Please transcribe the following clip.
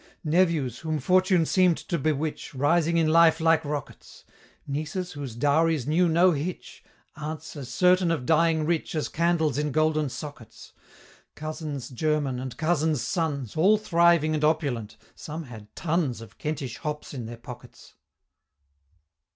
Nephews, whom Fortune seem'd to bewitch, Rising in life like rockets Nieces, whose dowries knew no hitch Aunts, as certain of dying rich As candles in golden sockets Cousins German and Cousins' sons, All thriving and opulent some had tons Of Kentish hops in their pockets!